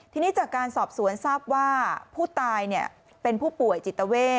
ทีนี้จากการสอบสวนทราบว่าผู้ตายเป็นผู้ป่วยจิตเวท